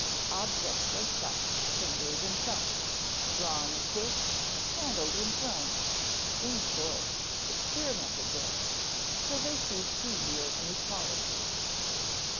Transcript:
Objects are sucked, fingered, and thumped; drawn and pushed, handled and thrown; in short, experimented with, till they cease to yield new qualities.